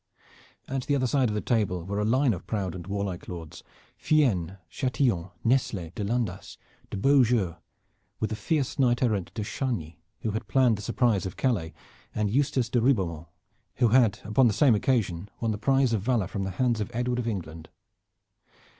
At the other side of the table were a line of proud and warlike Lords, Fiennes, Chatillon, Nesle, de Landas, de Beaujeu, with the fierce knight errant de Chargny, he who had planned the surprise of Calais, and Eustace de Ribeaumont, who had upon the same occasion won the prize of valor from the hands of Edward of England.